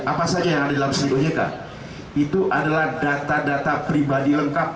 apa saja yang ada dalam si ojk itu adalah data data pribadi lengkap